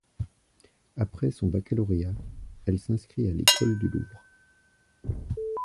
Après son baccalauréat, elle s’inscrit à l’École du Louvre.